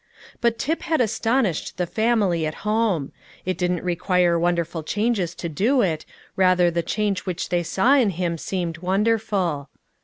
But Tip had astonished the family at home, it didn't require wonderful changes to do it, rather the change which they saw in him seemed wonderful.